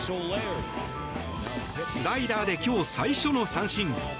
スライダーで今日、最初の三振。